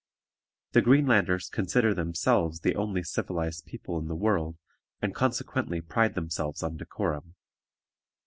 The Greenlanders consider themselves the only civilized people in the world, and consequently pride themselves on decorum.